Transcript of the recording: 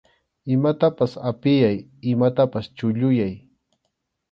Imatapas apiyay, imatapas chulluyay.